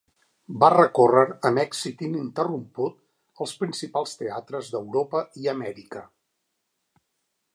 Va recórrer amb èxit ininterromput els principals teatres d'Europa i Amèrica.